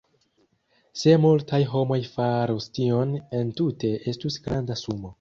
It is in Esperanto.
Se multaj homoj farus tion, entute estus granda sumo.